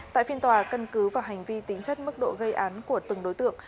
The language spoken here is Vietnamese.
tại phiên tòa cân cứ vào hành vi tính chất mức độ gây án của từng đối tượng